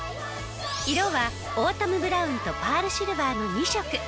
色はオータムブラウンとパールシルバーの２色。